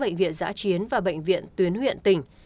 bệnh viện giã chiến và bệnh viện tuyến huyện tỉnh